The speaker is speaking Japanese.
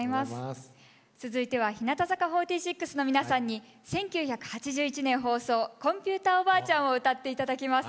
続いては日向坂４６の皆さんに１９８１年放送「コンピューターおばあちゃん」を歌って頂きます。